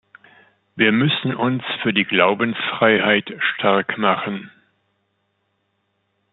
Wir müssen uns für die Glaubensfreiheit stark machen.